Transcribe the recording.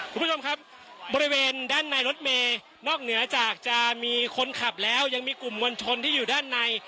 คุณผู้ชมครับบริเวณด้านในรถเมย์นอกเหนือจากจะมีคนขับแล้วยังมีกลุ่มมวลชนที่อยู่ด้านใน